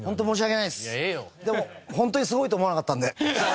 でもホントにすごいと思わなかったので。